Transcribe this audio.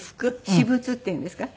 私物っていうんですか？